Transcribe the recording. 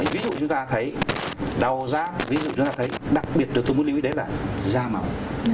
ví dụ chúng ta thấy đầu da ví dụ chúng ta thấy đặc biệt tôi muốn lưu ý đến là da máu